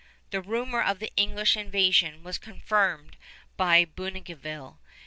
The rumor of the English invasion was confirmed by Bougainville.